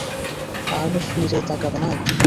আর ফিরে তাকাবে না এখন?